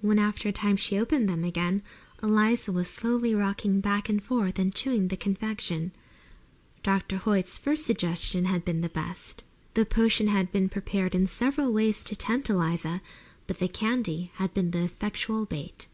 When after a time she opened them again Eliza was slowly rocking back and forth and chewing the confection. Dr. Hoyt's first suggestion had been best. The potion had been prepared in several ways to tempt Eliza, but the candy had been the effectual bait.